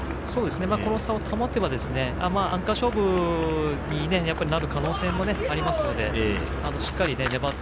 この差を保てばやはりアンカー勝負になる可能性もありますのでしっかり粘って。